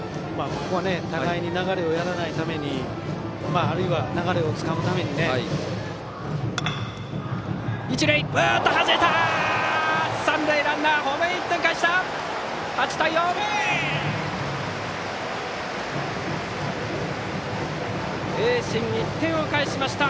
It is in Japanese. ここは互いに流れをやらないためにあるいは流れをつかむためにね。はじいた！